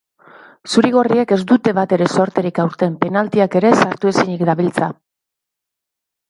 Zuri-gorriek ez dute batere zorterik aurten, penaltiak ere sartu ezinik dabiltza.